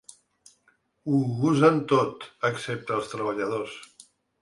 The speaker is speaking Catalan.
Ho usen tot, excepte els treballadors.